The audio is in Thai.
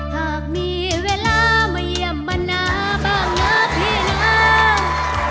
หากมีเวลามาเยี่ยมมาหน้าบ้างนะเพลงอ้าง